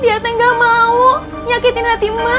dia teh gak mau nyakitin hati emak